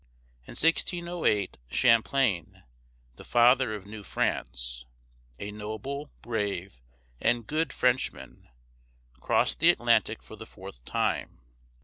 In 1608, Champlain (sham plān´), the "Father of New France," a noble, brave, and good Frenchman, crossed the Atlantic for the fourth time.